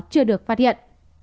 chưa được phát hiện